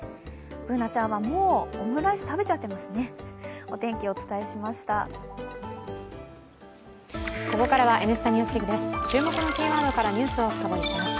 Ｂｏｏｎａちゃんは、もうオムライス食べちゃってますね。